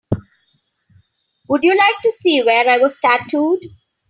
Would you like to see where I was tattooed?